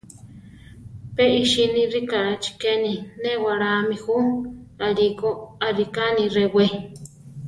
Pe isíni rikáchi keni newalámi ju; alíko arika ni rewé.